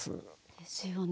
ですよね。